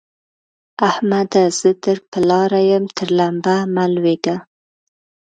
احمده! زه در پر لاره يم؛ تر لمبه مه لوېږه.